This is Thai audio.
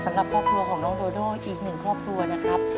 สำหรับครอบครัวของน้องโดโดอีกหนึ่งครอบครัวนะครับ